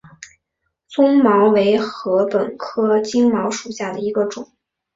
棕茅为禾本科金茅属下的一个种。